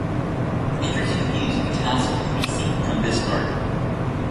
Interesting views of the castle can be seen from this garden.